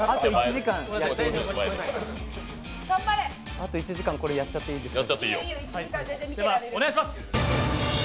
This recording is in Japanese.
あと１時間これやっちゃっていいですか。